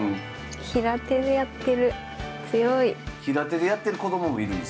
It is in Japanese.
平手でやってる子どももいるんですか？